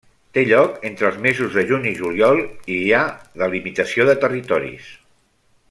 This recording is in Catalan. Té lloc entre els mesos de juny i juliol, i hi ha delimitació de territoris.